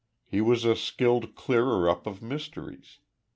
He was a skilled clearer up of mysteries.